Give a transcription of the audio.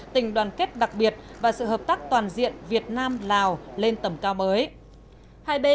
tình đoàn kết đặc biệt và sự hợp tác toàn diện việt nam lào lên tầm cao mới đây